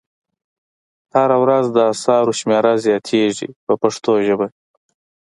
هره ورځ د اثارو شمېره زیاتیږي په پښتو ژبه.